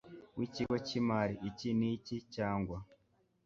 w ikigo cy imari iki n iki cyangwa